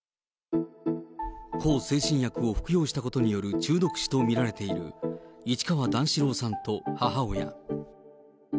向精神薬を服用したことによる中毒死と見られている市川段四郎さんと母親。